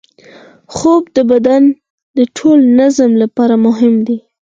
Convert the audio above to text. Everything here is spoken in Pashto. خوب د بدن د ټول نظام لپاره مهم دی